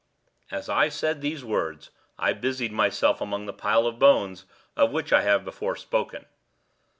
As I said these words I busied myself among the pile of bones of which I have before spoken.